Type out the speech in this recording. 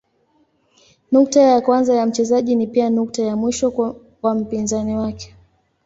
Nukta ya kwanza ya mchezaji ni pia nukta ya mwisho wa mpinzani wake.